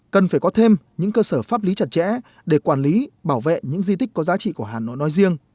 cần phải có thêm những cơ sở pháp lý chặt chẽ để quản lý bảo vệ những di tích có giá trị của hà nội nói riêng